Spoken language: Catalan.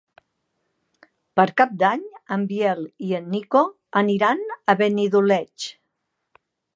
Per Cap d'Any en Biel i en Nico aniran a Benidoleig.